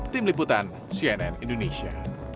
tim liputan cnn indonesia